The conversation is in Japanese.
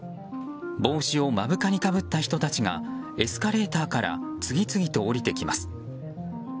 帽子を目深にかぶった人たちがエスカレーターから次々と降りてきます。